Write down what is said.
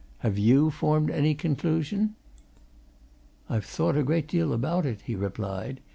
"Have you formed any conclusion?" "I've thought a great deal about it," he replied.